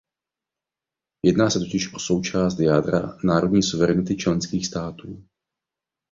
Jedná se totiž o součást jádra národní suverenity členských států.